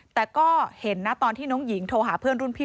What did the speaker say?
แต่ก็เห็นนะตอนที่น้องหญิงโทรหาเพื่อนรุ่นพี่